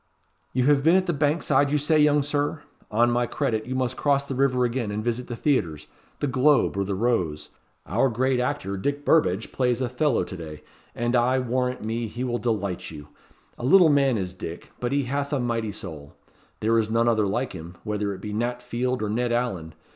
"You have been at the Bankside you say, young Sir? On my credit, you must cross the river again and visit the theatres the Globe or the Rose. Our great actor, Dick Burbadge, plays Othello to day, and, I warrant me, he will delight you. A little man is Dick, but he hath a mighty soul. There is none other like him, whether it be Nat Field or Ned Alleyn.